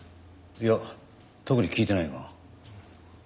いや特に聞いてないが。